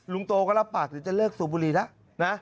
ลุงโตก็รับปากว่าจะเลิกสูบบุรีแล้วนะ